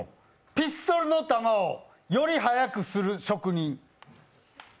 ピストルの弾をより速くする職人。